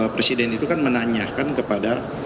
presiden itu kan menanyakan kepada